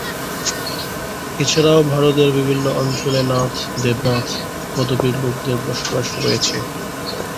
এছাড়াও ভারতের বিভিন্ন অঞ্চলে নাথ/দেবনাথ পদবীর লোকেদের বসবাস রয়েছে।